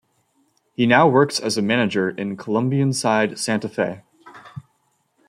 He now works as a manager in Colombian side Santa Fe.